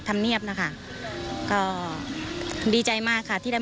มันย้ายไม่ได้